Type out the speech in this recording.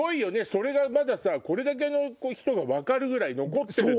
それがまだこれだけの人が分かるぐらい残ってるって。